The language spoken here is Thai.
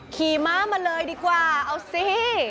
ขี่ม้ามาเลยดีกว่าเอาสิ